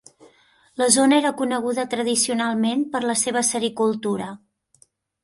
La zona era coneguda tradicionalment per la seva sericultura.